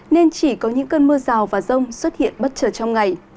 nên chỉ có những cơn mưa rào và rông xuất hiện bất chờ trong ngày